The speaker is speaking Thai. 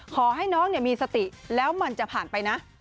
ขอให้น้องมีสติแล้วมันจะผ่านไปนะ